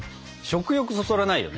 食欲そそられないよ